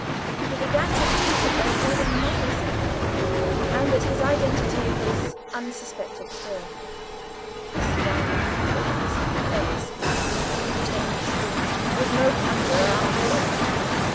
He began to see that there was a muddle somewhere, and that his identity was unsuspected still. This young man, for all his fair speaking and pretended shrewdness, was no conjurer after all.